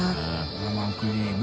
生クリーム」